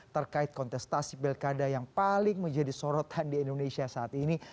terkait kontestasi pilkara dki jakarta yang paling menjadi sorotan di indonesia saat ini